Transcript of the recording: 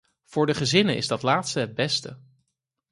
Voor de gezinnen is dat laatste het beste.